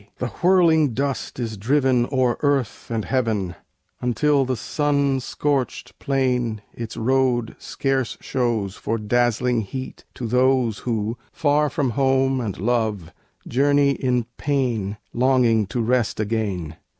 The whirling dust is driven O'er earth and heaven, until the sun scorched plain Its road scarce shows for dazzling heat to those Who, far from home and love, journey in pain, Longing to rest again.